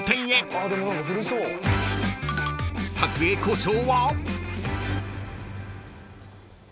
［撮影交渉は？］